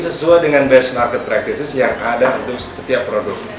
sesuai dengan best market practices yang ada untuk setiap produk